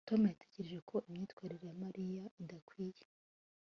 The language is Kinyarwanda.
tom yatekereje ko imyitwarire ya mariya idakwiye